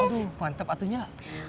aduh mantep atuhnya